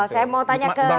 saya mau tanya ke